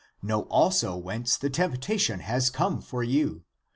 Know also whence the temp tation has come for you.